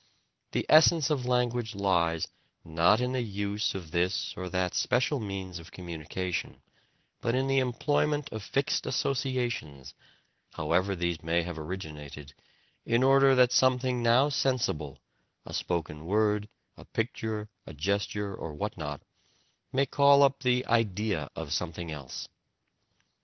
The essence of language lies, not in the use of this or that special means of communication, but in the employment of fixed associations (however these may have originated) in order that something now sensible a spoken word, a picture, a gesture, or what not may call up the "idea" of something else.